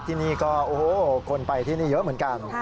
ที่นี่ก็โอ้โหคนไปที่นี่เยอะเหมือนกัน